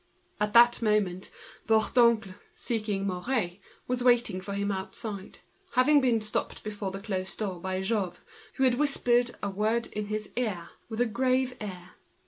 At that moment, Bourdoncle, seeking Mouret, was waiting for him outside, stopped before the closed door by Jouve, who had said a word in his ear with a grave air.